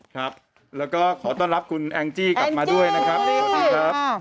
ครับแล้วก็ขอต้อนรับคุณแองจี้กลับมาด้วยนะครับสวัสดีครับ